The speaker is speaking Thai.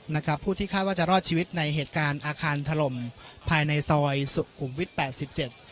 นะครับผู้ที่คาดว่าจะรอดชีวิตในเหตุการณ์อาคารถล่มภายในซอยสุขุมวิทย์แปดสิบเจ็ด